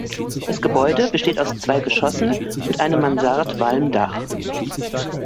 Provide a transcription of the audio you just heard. Das Gebäude besteht aus zwei Geschossen und einem Mansardwalmdach.